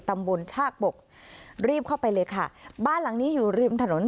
ตำบลชากบกรีบเข้าไปเลยค่ะบ้านหลังนี้อยู่ริมถนน